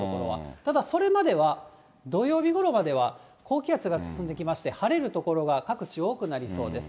ただそれまでは土曜日ごろまでは高気圧が進んできまして、晴れる所が各地多くなりそうです。